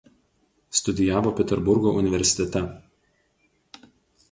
Studijavo Peterburgo universitete.